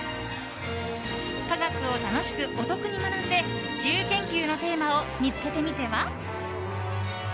科学を楽しく、お得に学んで自由研究のテーマを見つけてみては？